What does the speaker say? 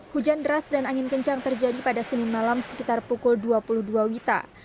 hujan deras dan angin kencang terjadi pada senin malam sekitar pukul dua puluh dua wita